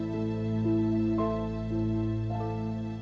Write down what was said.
dan doarkan delapan belas malam